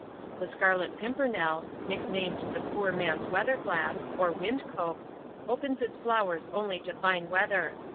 The scarlet pimpernel, nicknamed the "poor man's weather glass," or wind cope, opens its flowers only to fine weather.